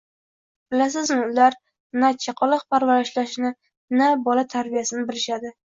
Bilasizmi, ular na chaqaloq parvarishini, na bola tarbiyasini bilishadi